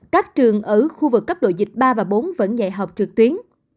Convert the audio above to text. các trường ở khu vực cấp độ dịch ba và bốn vẫn dạy học trực tuyến